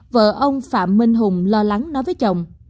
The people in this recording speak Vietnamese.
vợ ông phạm minh hùng lo lắng nói với chồng